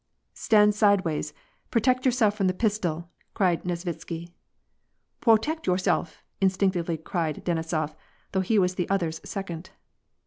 " Stand sidewise ; protect yourself from the pistol," cried Nesvitsky. " Pwotect yourself," instinctively cried Denisof , though he was the other's second.